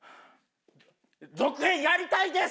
「続編やりたいです！」